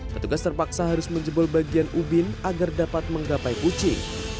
petugas terpaksa harus menjebol bagian ubin agar dapat menggapai kucing